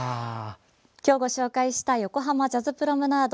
今日ご紹介した横濱ジャズプロムナード